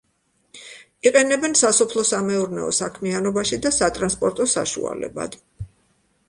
იყენებენ სასოფლო-სამეურნეო საქმიანობაში და სატრანსპორტო საშუალებად.